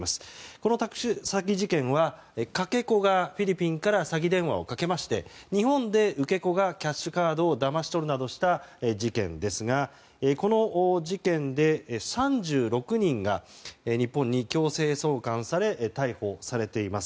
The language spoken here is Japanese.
この特殊詐欺事件はかけ子がフィリピンから詐欺電話をかけまして日本で受け子がキャッシュカードをだまし取るなどした事件ですがこの事件で３６人が日本に強制送還され逮捕されています。